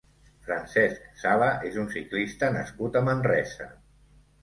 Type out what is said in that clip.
Francesc Sala és un ciclista nascut a Manresa.